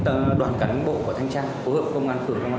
trong tháng này rồi anh ạ